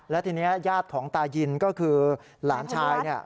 และทีนี้ญาติของตายินก็คือหลานชายเนี่ย